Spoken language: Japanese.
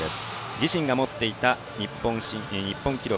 自身が持っていた日本記録